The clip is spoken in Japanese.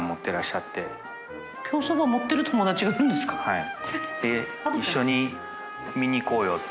はい。